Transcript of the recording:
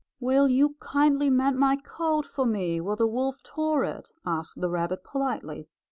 "Will you kindly mend my coat for me where the wolf tore it?" asked the rabbit politely.